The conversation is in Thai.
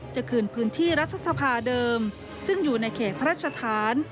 จะคืนพื้นที่รัฐสภาเดิมซึ่งอยู่ในเขตพระราชฐาน